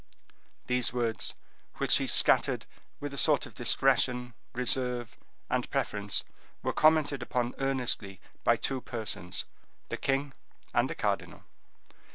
These words, which he scattered with a sort of discretion, reserve, and preference, were commented upon earnestly by two persons,—the king and the cardinal.